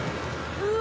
うわ。